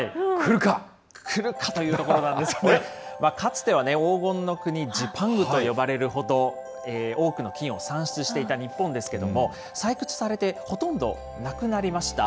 来るかというところなんですけどね、かつては黄金の国・ジパングと呼ばれるほど、多くの金を産出していた日本ですけれども、採掘されて、ほとんどなくなりました。